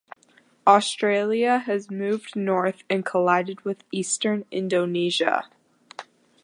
Australia has moved north and collided with eastern Indonesia.